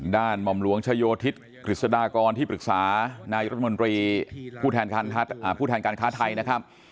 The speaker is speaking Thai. หม่อมหลวงชโยธิศกฤษฎากรที่ปรึกษานายรัฐมนตรีผู้แทนการค้าไทยนะครับ